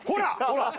ほら！